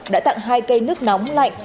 đã tặng hai cây nước nóng lạnh